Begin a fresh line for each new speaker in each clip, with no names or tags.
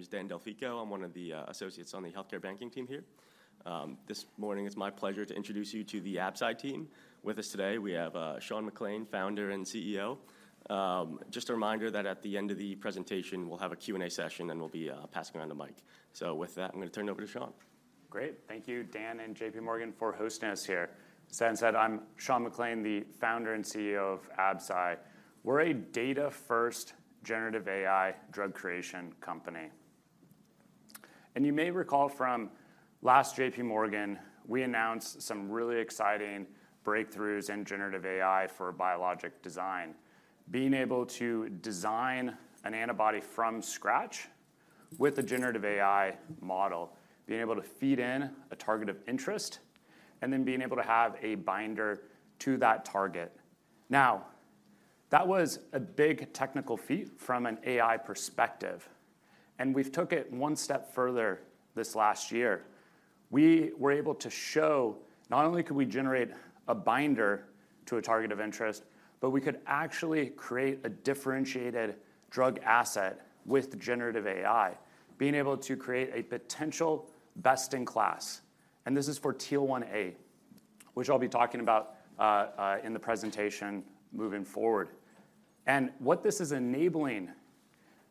My name is Dan Delfico. I'm one of the associates on the healthcare banking team here. This morning, it's my pleasure to introduce you to the Absci team. With us today, we have Sean McClain, founder and CEO. Just a reminder that at the end of the presentation, we'll have a Q&A session, and we'll be passing around the mic. So, with that, I'm gonna turn it over to Sean.
Great. Thank you, Dan and J.P. Morgan, for hosting us here. As Dan said, I'm Sean McClain, the founder and CEO of Absci. We're a data-first generative AI drug creation company. You may recall from last J.P. Morgan, we announced some really exciting breakthroughs in generative AI for biologic design. Being able to design an antibody from scratch with a generative AI model, being able to feed in a target of interest, and then being able to have a binder to that target. Now, that was a big technical feat from an AI perspective, and we've took it one step further this last year. We were able to show not only could we generate a binder to a target of interest, but we could actually create a differentiated drug asset with generative AI, being able to create a potential best-in-class. This is for TL1A, which I'll be talking about in the presentation moving forward. What this is enabling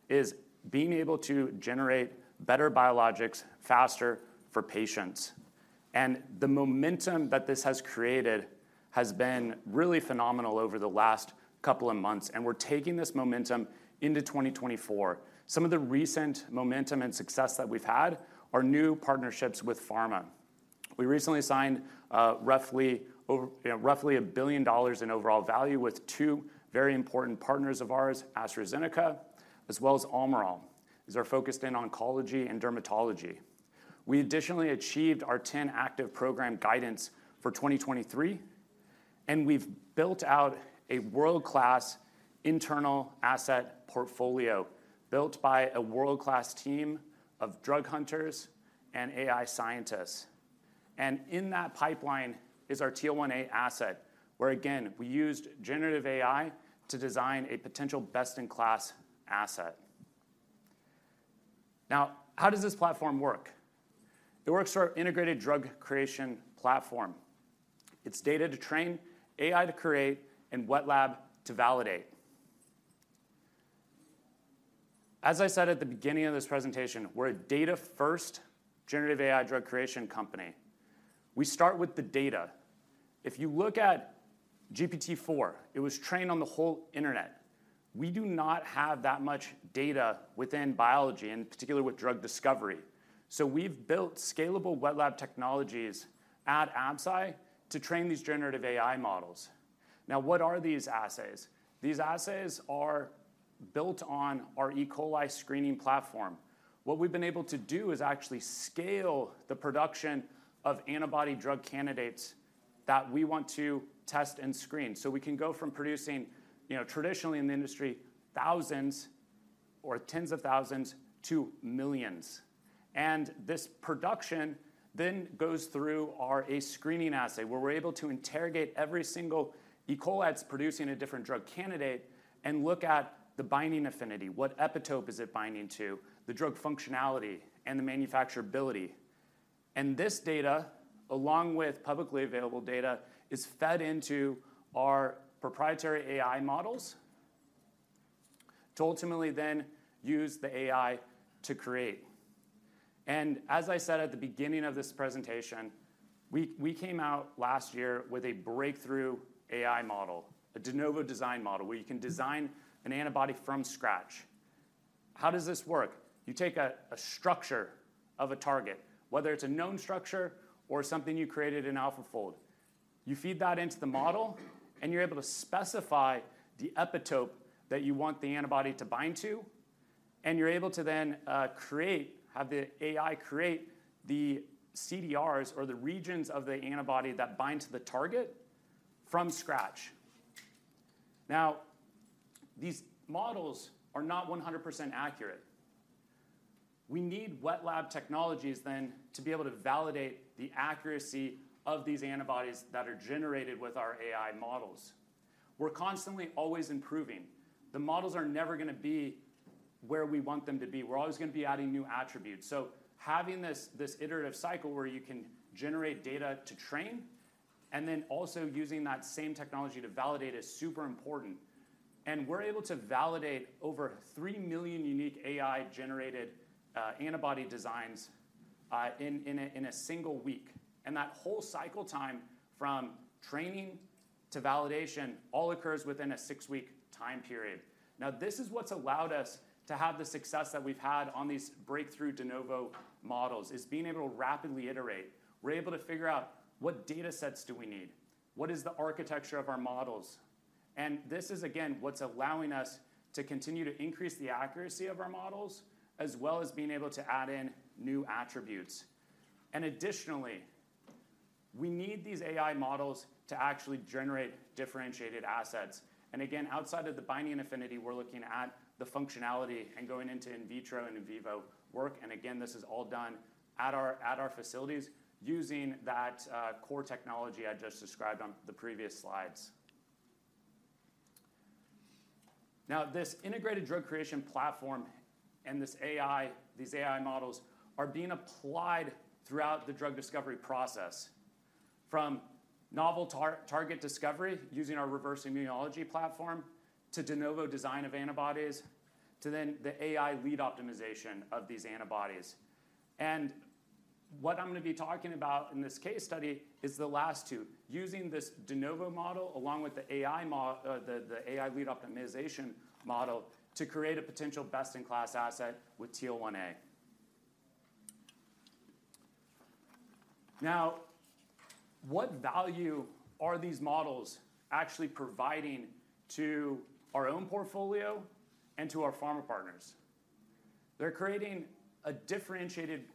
is being able to generate better biologics faster for patients. The momentum that this has created has been really phenomenal over the last couple of months, and we're taking this momentum into 2024. Some of the recent momentum and success that we've had are new partnerships with pharma. We recently signed, roughly over, you know, roughly $1 billion in overall value with two very important partners of ours, AstraZeneca, as well as Almirall. These are focused in oncology and dermatology. We additionally achieved our 10 active program guidance for 2023, and we've built out a world-class internal asset portfolio, built by a world-class team of drug hunters and AI scientists. And in that pipeline is our TL1A asset, where, again, we used generative AI to design a potential best-in-class asset. Now, how does this platform work? It works through our Integrated Drug Creation platform. It's data to train, AI to create, and wet lab to validate. As I said at the beginning of this presentation, we're a data-first generative AI drug creation company. We start with the data. If you look at GPT-4, it was trained on the whole internet. We do not have that much data within biology, and particularly with drug discovery. So we've built scalable wet lab technologies at Absci to train these generative AI models. Now, what are these assays? These assays are built on our E. coli screening platform. What we've been able to do is actually scale the production of antibody drug candidates that we want to test and screen. So, we can go from producing, you know, traditionally in the industry, thousands or tens of thousands to millions. And this production then goes through a screening assay, where we're able to interrogate every single E. coli that's producing a different drug candidate and look at the binding affinity, what epitope is it binding to, the drug functionality, and the manufacturability. And this data, along with publicly available data, is fed into our proprietary AI models to ultimately then use the AI to create. And as I said at the beginning of this presentation, we, we came out last year with a breakthrough AI model, a de novo design model, where you can design an antibody from scratch. How does this work? You take a, a structure of a target, whether it's a known structure or something you created in AlphaFold. You feed that into the model, and you're able to specify the epitope that you want the antibody to bind to, and you're able to then create, have the AI create the CDRs or the regions of the antibody that bind to the target from scratch. Now, these models are not 100% accurate. We need wet lab technologies then to be able to validate the accuracy of these antibodies that are generated with our AI models. We're constantly always improving. The models are never gonna be where we want them to be. We're always gonna be adding new attributes. So having this iterative cycle where you can generate data to train and then also using that same technology to validate is super important. And we're able to validate over 3 million unique AI-generated antibody designs in a single week. And that whole cycle time, from training to validation, all occurs within a six-week time period. Now, this is what's allowed us to have the success that we've had on these breakthrough de novo models, is being able to rapidly iterate. We're able to figure out what data sets do we need, what is the architecture of our models. And this is, again, what's allowing us to continue to increase the accuracy of our models, as well as being able to add in new attributes. And additionally, we need these AI models to actually generate differentiated assets. And again, outside of the binding affinity, we're looking at the functionality and going into in vitro and in vivo work. And again, this is all done at our facilities using that core technology I just described on the previous slides. Now, this Integrated Drug Creation platform and this AI, these AI models, are being applied throughout the drug discovery process, from novel target discovery using our reverse immunology platform, to de novo design of antibodies, to then the AI lead optimization of these antibodies. And what I'm gonna be talking about in this case study is the last two, using this de novo model, along with the AI lead optimization model, to create a potential best-in-class asset with TL1A. Now, what value are these models actually providing to our own portfolio and to our pharma partners? They're creating a differentiated,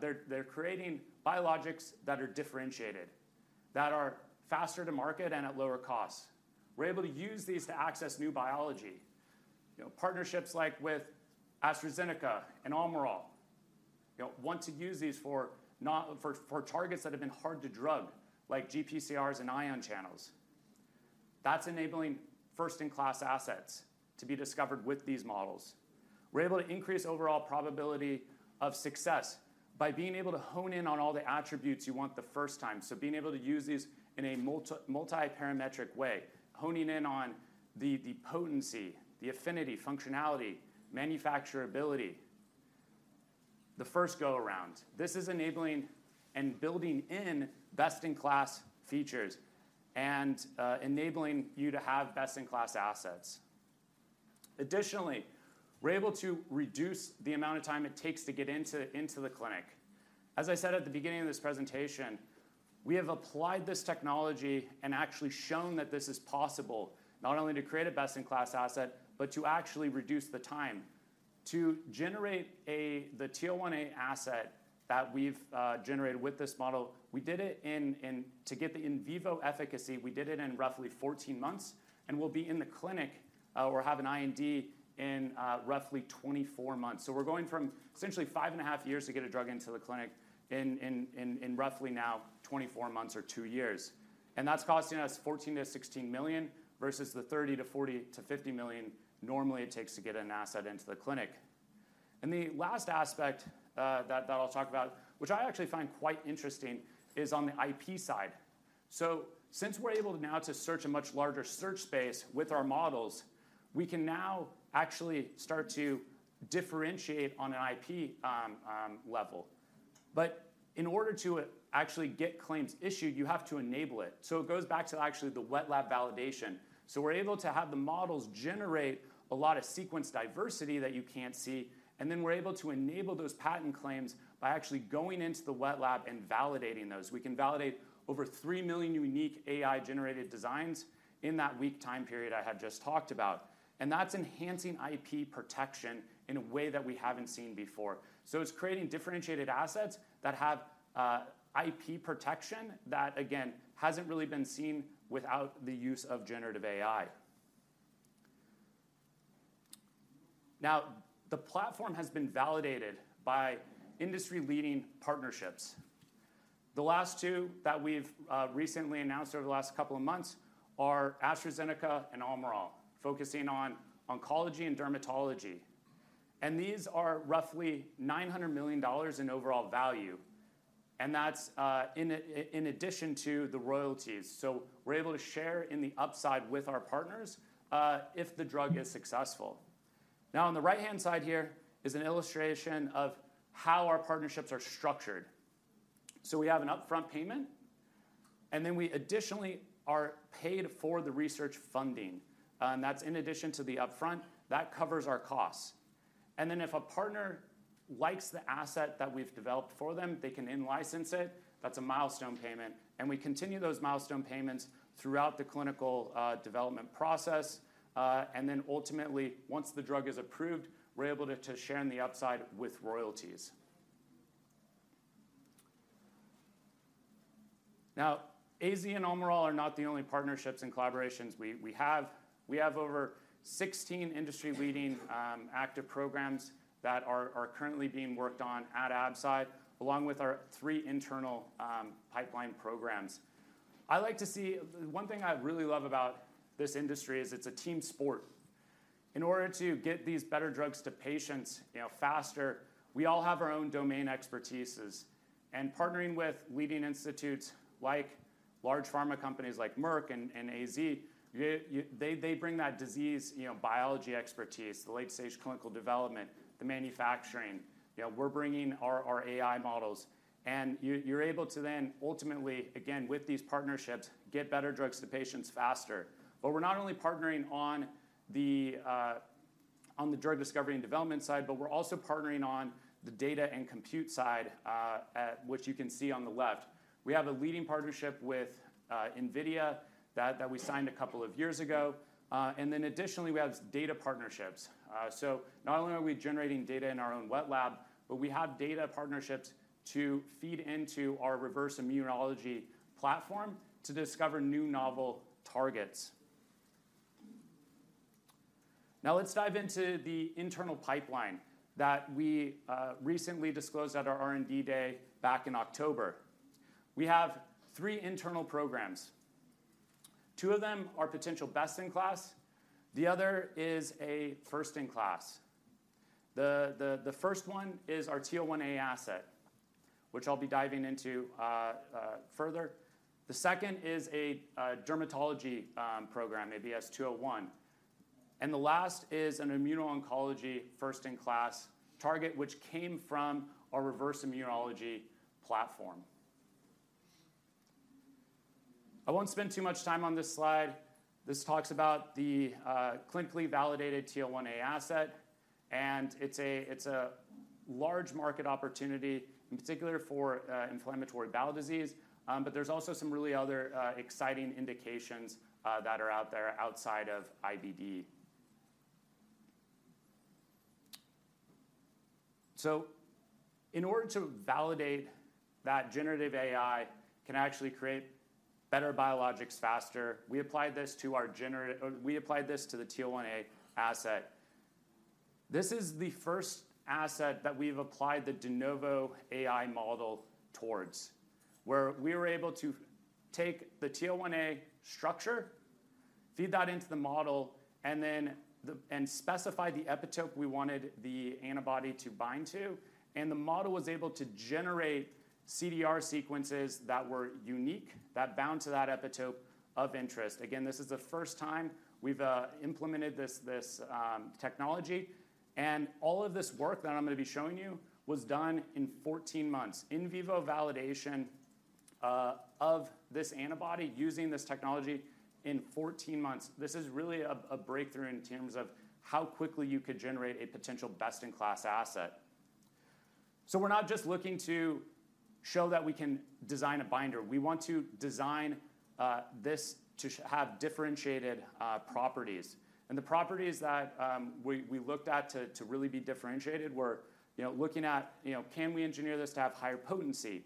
they're creating biologics that are differentiated, that are faster to market and at lower costs. We're able to use these to access new biology. You know, partnerships like with AstraZeneca and Almirall, you know, want to use these for not. for targets that have been hard to drug, like GPCRs and ion channels. That's enabling first-in-class assets to be discovered with these models. We're able to increase overall probability of success by being able to hone in on all the attributes you want the first time. So being able to use these in a multiparametric way, honing in on the potency, the affinity, functionality, manufacturability, the first go-around. This is enabling and building in best-in-class features and enabling you to have best-in-class assets. Additionally, we're able to reduce the amount of time it takes to get into the clinic. As I said at the beginning of this presentation, we have applied this technology and actually shown that this is possible, not only to create a best-in-class asset, but to actually reduce the time. To generate the TL1A asset that we've generated with this model, to get the in vivo efficacy, we did it in roughly 14 months, and we'll be in the clinic or have an IND in roughly 24 months. So we're going from essentially 5.5 years to get a drug into the clinic in roughly now 24 months or 2 years. And that's costing us $14 million-$16 million, versus the $30 million-$50 million normally it takes to get an asset into the clinic. And the last aspect that I'll talk about, which I actually find quite interesting, is on the IP side. So since we're able now to search a much larger search space with our models, we can now actually start to differentiate on an IP level. But in order to actually get claims issued, you have to enable it. So it goes back to actually the wet lab validation. So, we're able to have the models generate a lot of sequence diversity that you can't see, and then we're able to enable those patent claims by actually going into the wet lab and validating those. We can validate over 3 million unique AI-generated designs in that week time period I had just talked about, and that's enhancing IP protection in a way that we haven't seen before. So it's creating differentiated assets that have IP protection that, again, hasn't really been seen without the use of generative AI. Now, the platform has been validated by industry-leading partnerships. The last two that we've recently announced over the last couple of months are AstraZeneca and Almirall, focusing on oncology and dermatology. These are roughly $900 million in overall value, and that's in addition to the royalties. So we're able to share in the upside with our partners if the drug is successful. Now, on the right-hand side here is an illustration of how our partnerships are structured. So we have an upfront payment, and then we additionally are paid for the research funding, and that's in addition to the upfront. That covers our costs. And then if a partner likes the asset that we've developed for them, they can in-license it. That's a milestone payment, and we continue those milestone payments throughout the clinical development process. And then ultimately, once the drug is approved, we're able to share in the upside with royalties. Now, AZ and Almirall are not the only partnerships and collaborations we have. We have over 16 industry-leading active programs that are currently being worked on at Absci, along with our three internal pipeline programs. I like to see. One thing I really love about this industry is it's a team sport. In order to get these better drugs to patients, you know, faster, we all have our own domain expertise's, and partnering with leading institutes like large pharma companies like Merck and AZ, you they bring that disease, you know, biology expertise, the late-stage clinical development, the manufacturing. You know, we're bringing our AI models, and you're able to then ultimately, again, with these partnerships, get better drugs to patients faster. We're not only partnering on the drug discovery and development side, but we're also partnering on the data and compute side, which you can see on the left. We have a leading partnership with NVIDIA that we signed a couple of years ago. Additionally, we have data partnerships. Not only are we generating data in our own wet lab, but we have data partnerships to feed into our reverse immunology platform to discover new novel targets. Now let's dive into the internal pipeline that we recently disclosed at our R&D Day back in October. We have three internal programs. Two of them are potential best-in-class, the other is a first-in-class. The first one is our TL1A asset, which I'll be diving into further. The second is a dermatology program, ABS-201, and the last is an immuno-oncology first-in-class target, which came from our reverse immunology platform. I won't spend too much time on this slide. This talks about the clinically validated TL1A asset, and it's a large market opportunity, in particular for inflammatory bowel disease, but there's also some really other exciting indications that are out there outside of IBD. So in order to validate that generative AI can actually create better biologics faster, we applied this to the TL1A asset. This is the first asset that we've applied the de novo AI model towards, where we were able to take the TL1A structure, feed that into the model, and then specify the epitope we wanted the antibody to bind to, and the model was able to generate CDR sequences that were unique, that bound to that epitope of interest. Again, this is the first time we've implemented this technology, and all of this work that I'm going to be showing you was done in 14 months. In vivo validation of this antibody using this technology in 14 months. This is really a breakthrough in terms of how quickly you could generate a potential best-in-class asset. So we're not just looking to show that we can design a binder. We want to design this to have differentiated properties, and the properties that we looked at to really be differentiated were, you know, looking at, you know, can we engineer this to have higher potency,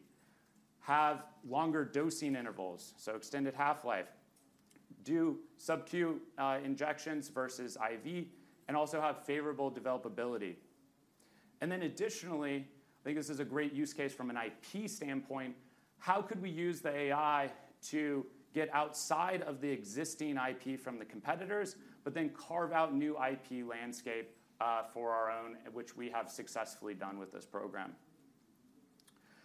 have longer dosing intervals, so extended half-life, do sub-Q injections versus IV, and also have favorable developability? And then additionally, I think this is a great use case from an IP standpoint, how could we use the AI to get outside of the existing IP from the competitors, but then carve out new IP landscape for our own, which we have successfully done with this program?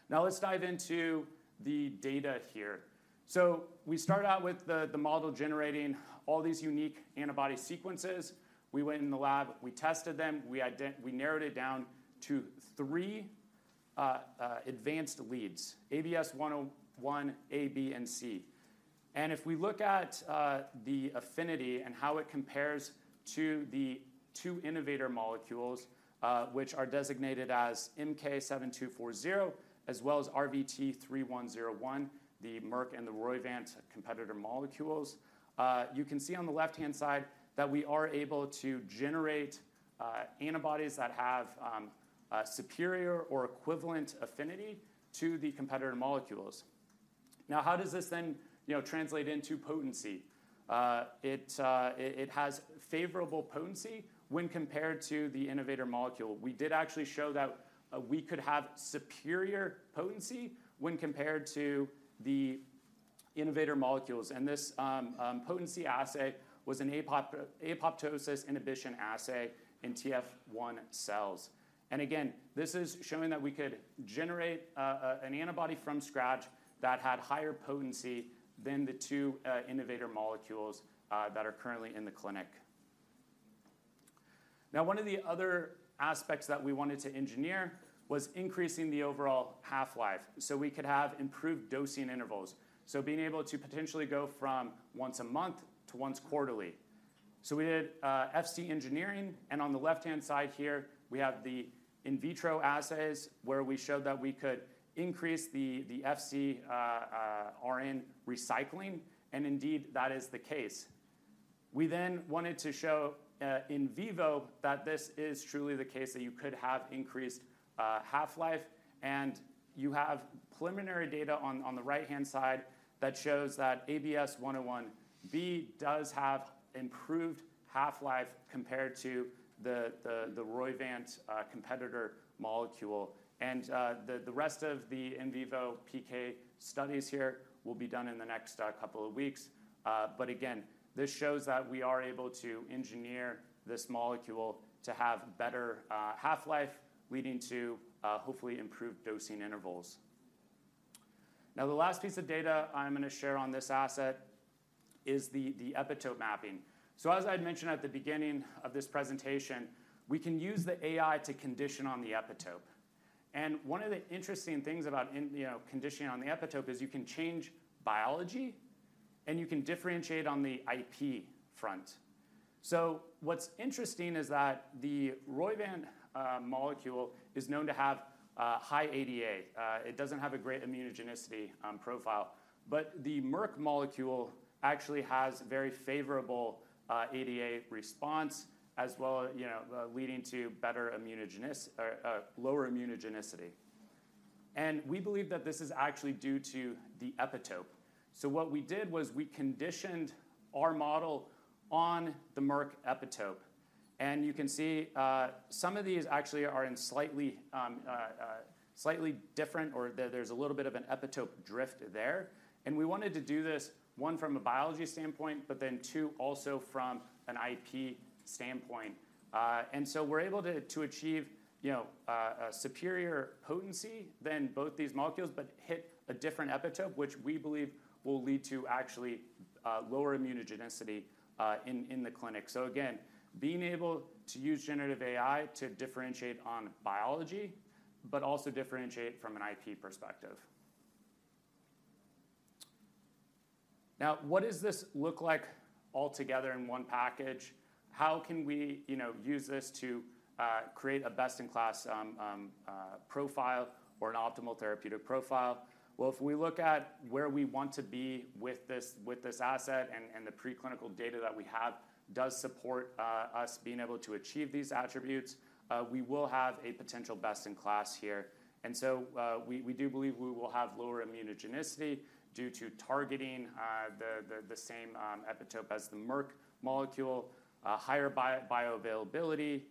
Now, let's dive into the data here. So we started out with the model generating all these unique antibody sequences. We went in the lab, we tested them, we narrowed it down to 3 advanced leads: ABS-101A, B, and C. And if we look at the affinity and how it compares to the two innovator molecules, which are designated as MK-7240, as well as RVT-3101, the Merck and the Roivant competitor molecules, you can see on the left-hand side that we are able to generate antibodies that have a superior or equivalent affinity to the competitor molecules. Now, how does this then, you know, translate into potency? It has favorable potency when compared to the innovator molecule. We did actually show that we could have superior potency when compared to the innovator molecules, and this potency assay was an apoptosis inhibition assay in TF1 cells. And again, this is showing that we could generate an antibody from scratch that had higher potency than the two innovator molecules that are currently in the clinic. Now, one of the other aspects that we wanted to engineer was increasing the overall half-life, so we could have improved dosing intervals. So being able to potentially go from once a month to once quarterly. So we did Fc engineering, and on the left-hand side here, we have the in vitro assays, where we showed that we could increase the FcRn recycling, and indeed, that is the case. We then wanted to show in vivo that this is truly the case, that you could have increased half-life, and you have preliminary data on the right-hand side that shows that ABS-101B does have improved half-life compared to the Roivant competitor molecule. And the rest of the in vivo PK studies here will be done in the next couple of weeks. But again, this shows that we are able to engineer this molecule to have better half-life, leading to hopefully improved dosing intervals. Now, the last piece of data I'm gonna share on this asset is the epitope mapping. So as I'd mentioned at the beginning of this presentation, we can use the AI to condition on the epitope. One of the interesting things about, you know, conditioning on the epitope is you can change biology, and you can differentiate on the IP front. So what's interesting is that the Roivant molecule is known to have high ADA. It doesn't have a great immunogenicity profile, but the Merck molecule actually has very favorable ADA response, as well, you know, leading to better immunogenicity or lower immunogenicity. We believe that this is actually due to the epitope. So what we did was we conditioned our model on the Merck epitope. And you can see some of these actually are in slightly different, or there's a little bit of an epitope drift there. And we wanted to do this, one, from a biology standpoint, but then two, also from an IP standpoint. And so we're able to achieve, you know, a superior potency than both these molecules, but hit a different epitope, which we believe will lead to actually lower immunogenicity in the clinic. So again, being able to use generative AI to differentiate on biology, but also differentiate from an IP perspective. Now, what does this look like all together in one package? How can we, you know, use this to create a best-in-class profile or an optimal therapeutic profile? Well, if we look at where we want to be with this asset and the preclinical data that we have does support us being able to achieve these attributes, we will have a potential best-in-class here. So, we do believe we will have lower immunogenicity due to targeting the same epitope as the Merck molecule, higher bioavailability,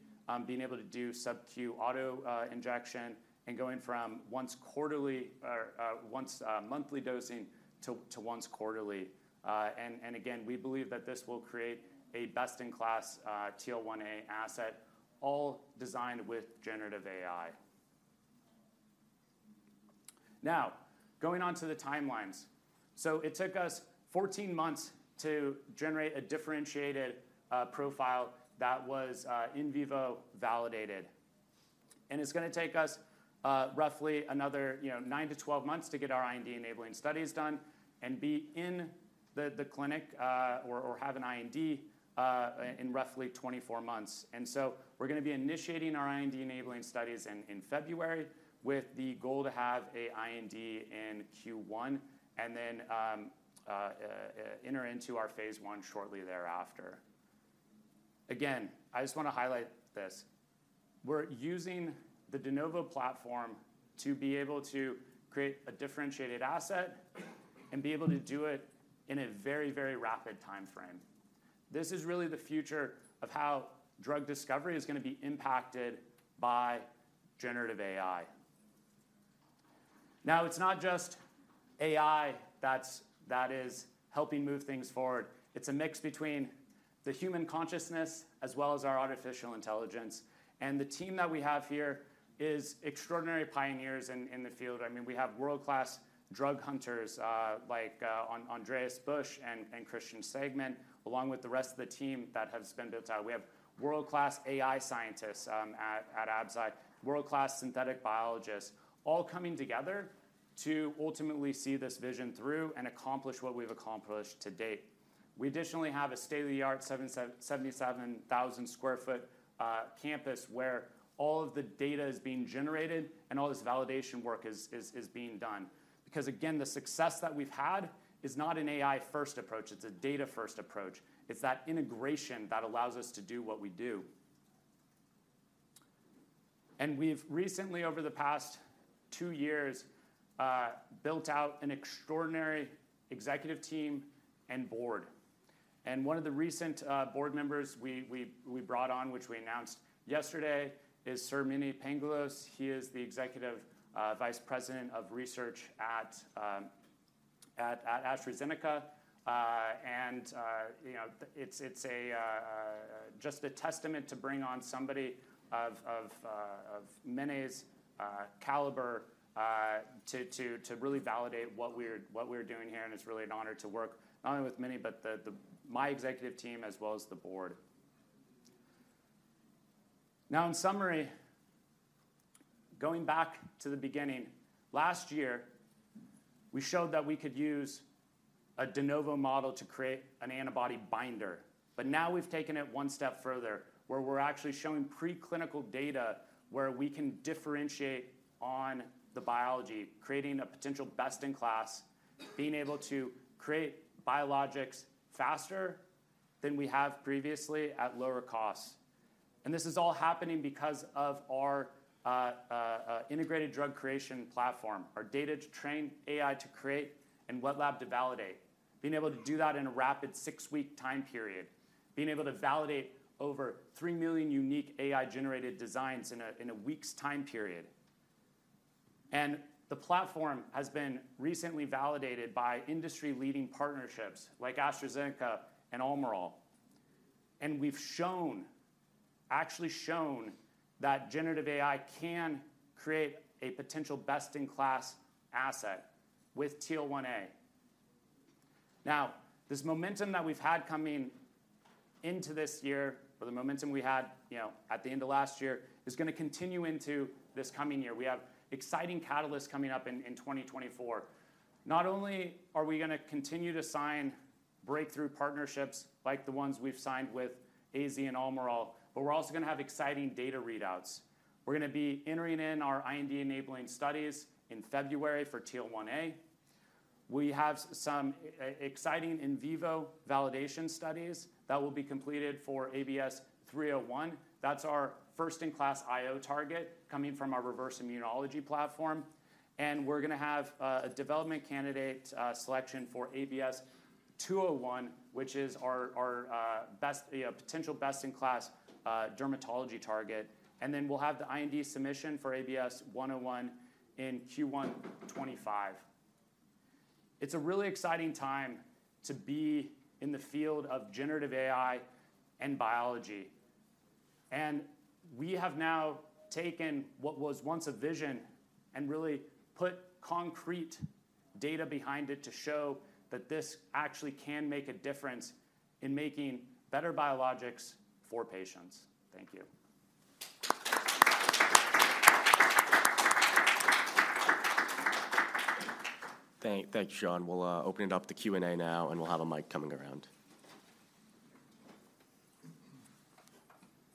being able to do sub-Q auto injection, and going from once quarterly or once monthly dosing to once quarterly. And again, we believe that this will create a best-in-class TL1A asset, all designed with generative AI. Now, going on to the timelines. So it took us 14 months to generate a differentiated profile that was in vivo validated. And it's gonna take us, roughly another, you know, 9 months-12 months to get our IND enabling studies done and be in the clinic, or have an IND in roughly 24 months. And so we're gonna be initiating our IND enabling studies in February with the goal to have an IND in Q1, and then enter into our phase I shortly thereafter. Again, I just wanna highlight this. We're using the de novo platform to be able to create a differentiated asset and be able to do it in a very, very rapid timeframe. This is really the future of how drug discovery is gonna be impacted by generative AI. Now, it's not just AI that's, that is helping move things forward. It's a mix between the human consciousness as well as our artificial intelligence. And the team that we have here is extraordinary pioneers in the field. I mean, we have world-class drug hunters, like Andreas Busch and Christian Stegmann, along with the rest of the team that has been built out. We have world-class AI scientists at Absci, world-class synthetic biologists, all coming together to ultimately see this vision through and accomplish what we've accomplished to date. We additionally have a state-of-the-art 77,000 sq ft campus, where all of the data is being generated and all this validation work is being done. Because, again, the success that we've had is not an AI-first approach, it's a data-first approach. It's that integration that allows us to do what we do. We've recently, over the past two years, built out an extraordinary executive team and board. One of the recent board members we brought on, which we announced yesterday, is Sir Menelas Pangalos. He is the Executive Vice President of Research at AstraZeneca. You know, it's just a testament to bring on somebody of Mene's caliber to really validate what we're doing here. And it's really an honor to work not only with Mene, but my executive team as well as the board. Now, in summary, going back to the beginning, last year, we showed that we could use a de novo model to create an antibody binder. But now we've taken it one step further, where we're actually showing preclinical data where we can differentiate on the biology, creating a potential best-in-class, being able to create biologics faster than we have previously at lower costs. And this is all happening because of our Integrated Drug Creation platform, our data to train AI to create and wet lab to validate. Being able to do that in a rapid 6-week time period, being able to validate over 3 million unique AI-generated designs in a week's time period. And the platform has been recently validated by industry-leading partnerships like AstraZeneca and Almirall. And we've shown, actually shown, that generative AI can create a potential best-in-class asset with TL1A. Now, this momentum that we've had coming into this year, or the momentum we had, you know, at the end of last year, is gonna continue into this coming year. We have exciting catalysts coming up in 2024. Not only are we gonna continue to sign breakthrough partnerships like the ones we've signed with AZ and Almirall, but we're also gonna have exciting data readouts. We're gonna be entering in our IND enabling studies in February for TL1A. We have some exciting in vivo validation studies that will be completed for ABS-301. That's our first-in-class IO target coming from our reverse immunology platform, and we're gonna have a development candidate selection for ABS-201, which is our potential best-in-class dermatology target. And then we'll have the IND submission for ABS-101 in Q1 2025. It's a really exciting time to be in the field of generative AI and biology, and we have now taken what was once a vision and really put concrete data behind it to show that this actually can make a difference in making better biologics for patients. Thank you.
Thank you, Sean. We'll open it up to Q&A now, and we'll have a mic coming around.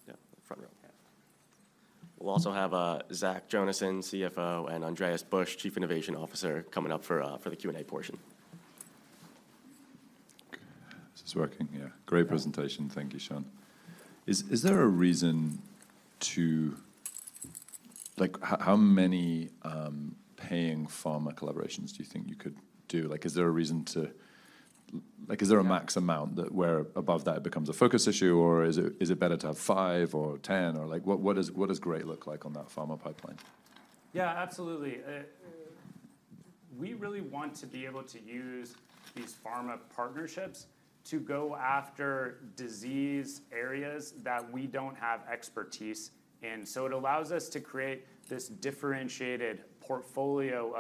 Yeah, front row. We'll also have Zach Jonasson, CFO, and Andreas Busch, Chief Innovation Officer, coming up for the Q&A portion.
Is this working? Yeah. Great presentation. Thank you, Sean. Is there a reason to. Like, how many paying pharma collaborations do you think you could do? Like, is there a reason to, like, is there a max amount that where above that it becomes a focus issue, or is it better to have five or 10? Or like, what does great look like on that pharma pipeline?
Yeah, absolutely. We really want to be able to use these pharma partnerships to go after disease areas that we don't have expertise in. So it allows us to create this differentiated portfolio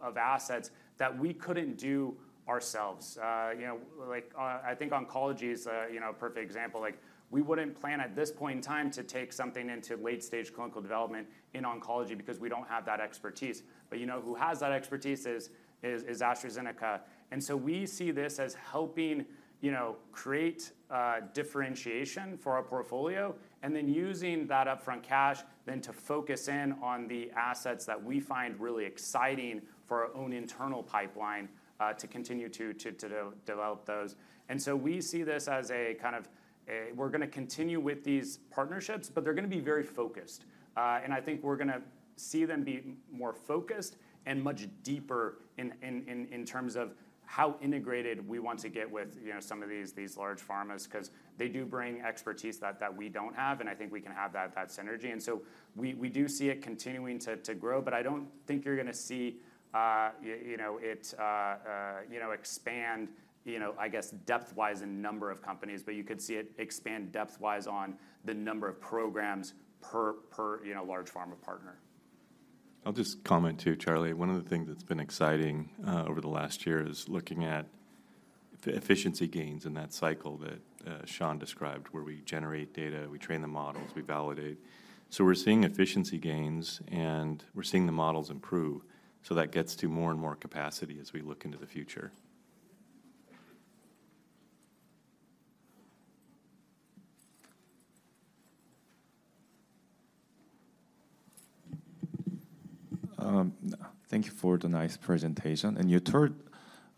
of assets that we couldn't do ourselves. You know, like, I think oncology is a, you know, perfect example. Like, we wouldn't plan at this point in time to take something into late-stage clinical development in oncology because we don't have that expertise. But you know who has that expertise is AstraZeneca. And so we see this as helping, you know, create differentiation for our portfolio, and then using that upfront cash then to focus in on the assets that we find really exciting for our own internal pipeline, to continue to develop those. And so we see this as a kind of we're gonna continue with these partnerships, but they're gonna be very focused. And I think we're gonna see them be more focused and much deeper in terms of how integrated we want to get with, you know, some of these large pharmas, 'cause they do bring expertise that we don't have, and I think we can have that synergy. And so we do see it continuing to grow, but I don't think you're gonna see, you know, it expand, you know, I guess depth-wise in number of companies, but you could see it expand depth-wise on the number of programs per, you know, large pharma partner.
I'll just comment too, Charlie. One of the things that's been exciting over the last year is looking at efficiency gains in that cycle that Sean described, where we generate data, we train the models, we validate. So we're seeing efficiency gains, and we're seeing the models improve, so that gets to more and more capacity as we look into the future.
Thank you for the nice presentation. You talked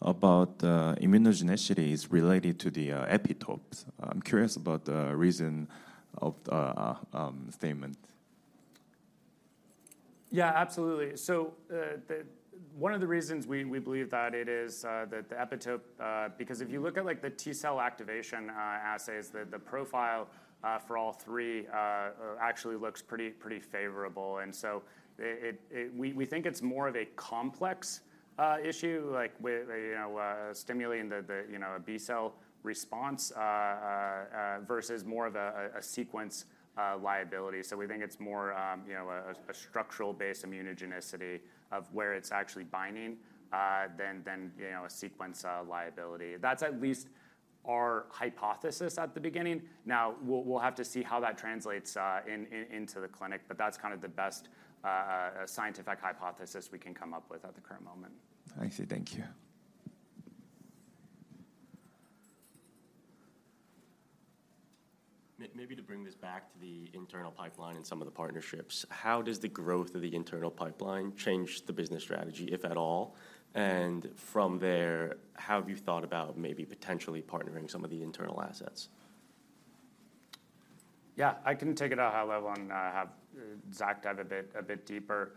about immunogenicity is related to the epitopes. I'm curious about the reason of the statement.
Yeah, absolutely. So, one of the reasons we believe that it is that the epitope because if you look at, like, the T cell activation assays, the profile for all three actually looks pretty favorable. And so we think it's more of a complex issue, like with, you know, stimulating the, you know, a B cell response versus more of a sequence liability. So we think it's more, you know, a structure-based immunogenicity of where it's actually binding than, you know, a sequence liability. That's at least our hypothesis at the beginning. Now, we'll have to see how that translates into the clinic, but that's kind of the best scientific hypothesis we can come up with at the current moment.
I see. Thank you.
Maybe to bring this back to the internal pipeline and some of the partnerships, how does the growth of the internal pipeline change the business strategy, if at all? And from there, have you thought about maybe potentially partnering some of the internal assets?
Yeah, I can take it at a high level and have Zach dive a bit deeper.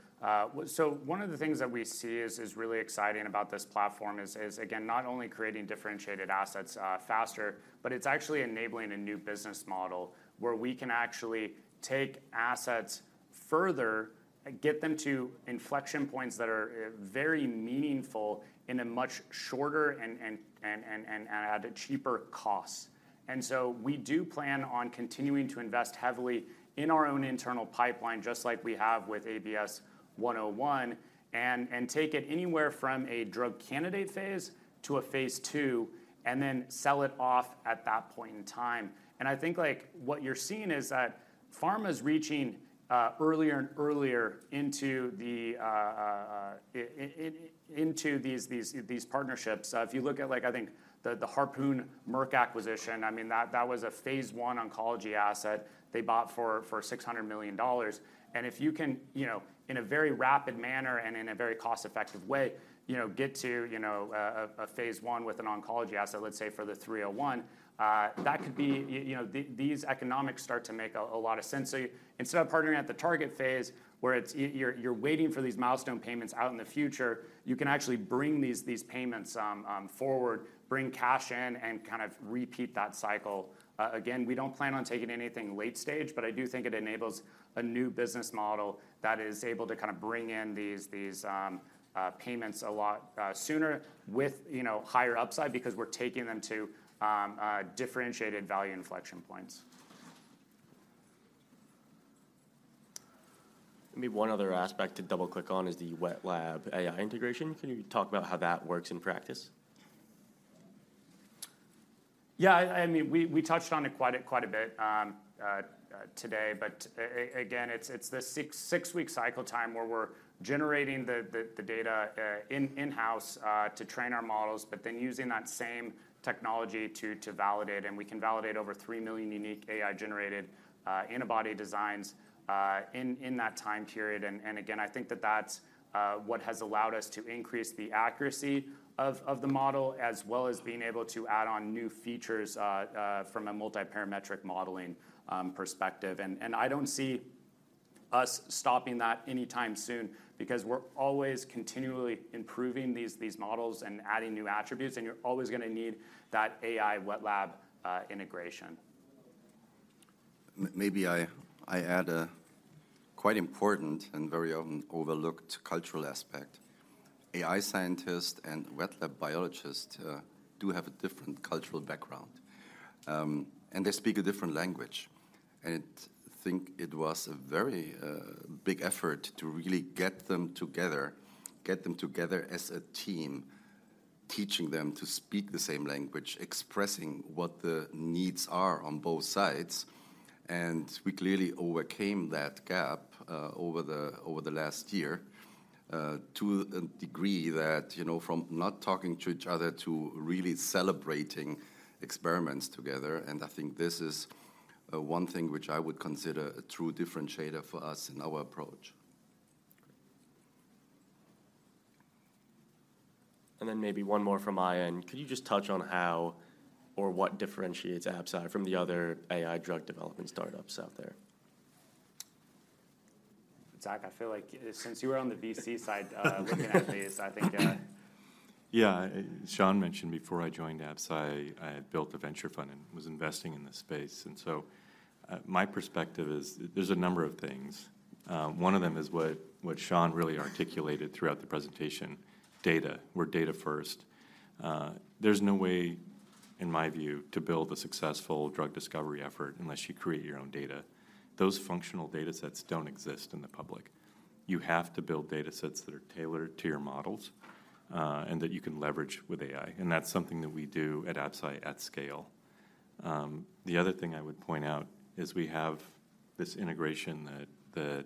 So one of the things that we see is really exciting about this platform is, again, not only creating differentiated assets faster, but it's actually enabling a new business model, where we can actually take assets further and get them to inflection points that are very meaningful in a much shorter and at a cheaper cost. And so we do plan on continuing to invest heavily in our own internal pipeline, just like we have with ABS-101, and take it anywhere from a drug candidate phase to a phase II, and then sell it off at that point in time. I think, like, what you're seeing is that pharma's reaching earlier and earlier into these partnerships. If you look at, like, I think, the Harpoon Merck acquisition, I mean, that was a phase I oncology asset they bought for $600 million. And if you can, you know, in a very rapid manner and in a very cost-effective way, you know, get to a phase I with an oncology asset, let's say, for the 301, that could be, you know, these economics start to make a lot of sense. So instead of partnering at the target phase, where you're waiting for these milestone payments out in the future, you can actually bring these payments forward, bring cash in, and kind of repeat that cycle. Again, we don't plan on taking anything late stage, but I do think it enables a new business model that is able to kind of bring in these payments a lot sooner with, you know, higher upside because we're taking them to differentiated value inflection points.
Maybe one other aspect to double-click on is the wet lab AI integration. Can you talk about how that works in practice?
Yeah, I mean, we touched on it quite a bit today. But again, it's this six-week cycle time where we're generating the data in-house to train our models, but then using that same technology to validate, and we can validate over three million unique AI-generated antibody designs in that time period. And again, I think that's what has allowed us to increase the accuracy of the model, as well as being able to add on new features from a multiparametric modeling perspective. I don't see us stopping that anytime soon because we're always continually improving these models and adding new attributes, and you're always gonna need that AI wet lab integration.
Maybe I add a quite important and very often overlooked cultural aspect. AI scientists and wet lab biologists do have a different cultural background, and they speak a different language. I think it was a very big effort to really get them together as a team, teaching them to speak the same language, expressing what the needs are on both sides. We clearly overcame that gap over the last year to a degree that, you know, from not talking to each other to really celebrating experiments together, and I think this is one thing which I would consider a true differentiator for us in our approach.
And then maybe one more from my end. Could you just touch on how or what differentiates Absci from the other AI drug development startups out there?
Zach, I feel like, since you were on the VC side, looking at these, I think.
Yeah, Sean mentioned before I joined Absci, I had built a venture fund and was investing in this space, and so, my perspective is there's a number of things. One of them is what Sean really articulated throughout the presentation: data. We're data-first. There's no way, in my view, to build a successful drug discovery effort unless you create your own data. Those functional data sets don't exist in the public. You have to build data sets that are tailored to your models, and that you can leverage with AI, and that's something that we do at Absci at scale. The other thing I would point out is we have this integration that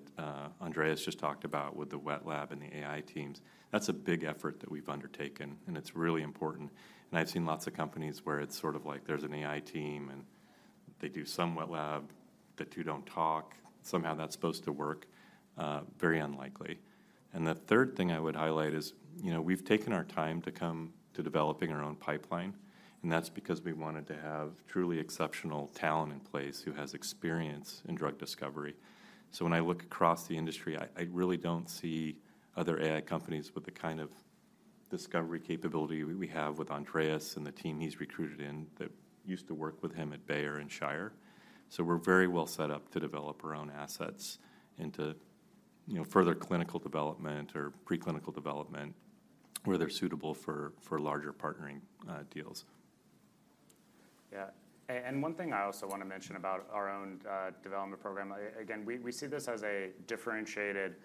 Andreas just talked about with the wet lab and the AI teams. That's a big effort that we've undertaken, and it's really important. I've seen lots of companies where it's sort of like there's an AI team, and they do some wet lab. The two don't talk. Somehow that's supposed to work. Very unlikely. And the third thing I would highlight is, you know, we've taken our time to come to developing our own pipeline, and that's because we wanted to have truly exceptional talent in place who has experience in drug discovery. So when I look across the industry, I, I really don't see other AI companies with the kind of discovery capability we have with Andreas and the team he's recruited that used to work with him at Bayer and Shire. So we're very well set up to develop our own assets into, you know, further clinical development or preclinical development where they're suitable for larger partnering deals.
Yeah. One thing I also want to mention about our own development program. Again, we see this as a differentiated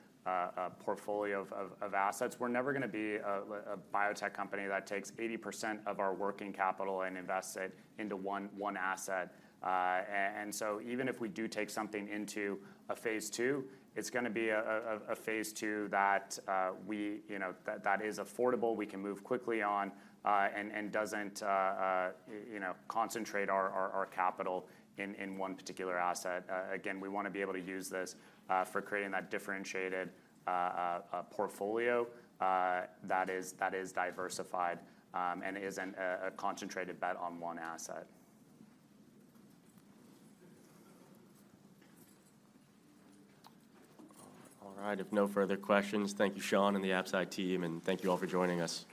portfolio of assets. We're never gonna be a biotech company that takes 80% of our working capital and invests it into one asset. And so even if we do take something into a phase II, it's gonna be a phase II that, you know, that is affordable, we can move quickly on, and doesn't, you know, concentrate our capital in one particular asset. Again, we wanna be able to use this for creating that differentiated portfolio that is diversified, and isn't a concentrated bet on one asset.
All right. If no further questions, thank you, Sean and the Absci team, and thank you all for joining us.